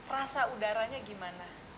rasa udaranya gimana